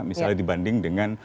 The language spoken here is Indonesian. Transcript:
misalnya dibanding dengan